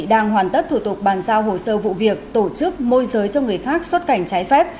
đang hoàn tất thủ tục bàn giao hồ sơ vụ việc tổ chức môi giới cho người khác xuất cảnh trái phép